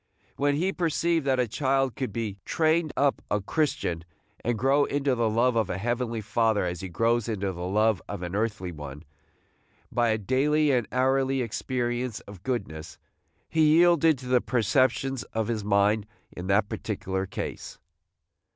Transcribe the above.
When he perceived that a child could be trained up a Christian, and grow into the love of a Heavenly Father as he grows into the love of an earthly one, by a daily and hourly experience of goodness, he yielded to the perceptions of his mind in that particular case.